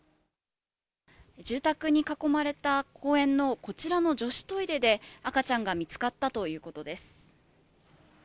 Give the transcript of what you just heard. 住宅に囲まれた公園のこちらの女子トイレで、赤ちゃんが見つかったということです。